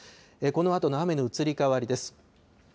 このあとの雨の移り変わりです。